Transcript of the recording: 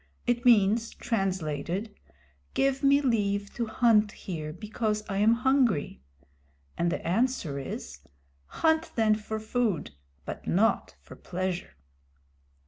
It means, translated, "Give me leave to hunt here because I am hungry." And the answer is, "Hunt then for food, but not for pleasure."